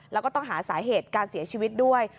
แล้วก็ต้องหาสาเหตุการเสียชีวิตด้วย